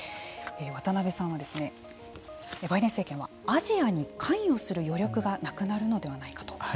渡辺さんはバイデン政権はアジアに関与する余力がなくなるのではないかと。